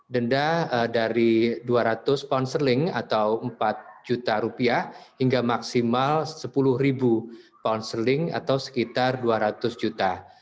denda dari dua ratus pound sterling atau empat juta rupiah hingga maksimal sepuluh ribu pound sterling atau sekitar dua ratus juta